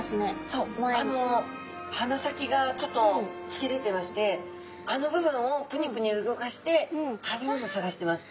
そうあの鼻先がちょっとつき出てましてあの部分をプニプニ動かして食べ物探してます。